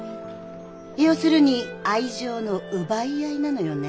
要するに愛情の奪い合いなのよね。